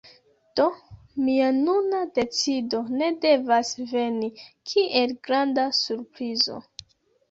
Do, mia nuna decido ne devas veni kiel granda surprizo.